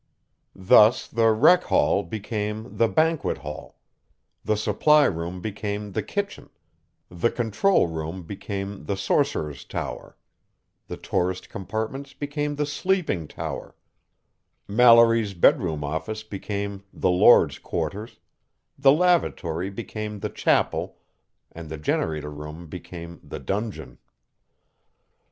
Thus the rec hall became "the banquet hall," the supply room became "the kitchen," the control room became "the sorcerer's tower," the tourist compartments became "the sleeping tower," Mallory's bedroom office became "the lord's quarters," the lavatory became "the chapel," and the generator room became "the dungeon."